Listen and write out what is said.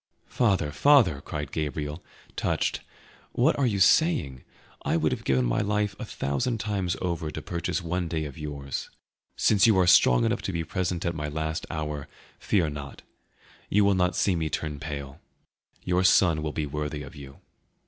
"Father, father!" cried Gabriel, touched, "what are you saying? I would have given my life a thousand times over to purchase one day of yours. Since you are strong enough to be present at my last hour, fear not; you will not see me turn pale; your son will be worthy of you."